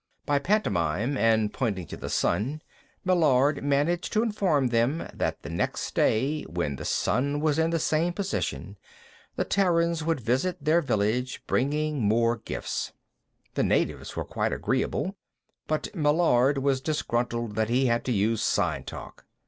By pantomime and pointing to the sun, Meillard managed to inform them that the next day, when the sun was in the same position, the Terrans would visit their village, bringing more gifts. The natives were quite agreeable, but Meillard was disgruntled that he had to use sign talk.